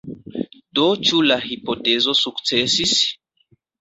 Do ĉu la hipotezo sukcesis?